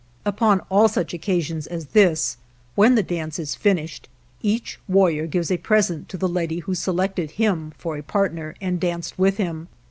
Upon all such occasions as this, when the dance is finished, each warrior gives a pres ent to the lady who selected him for a part ner and danced with him.